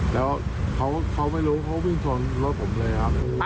แล้วเขาไม่รู้เขาวิ่งชนรถผมเลยครับ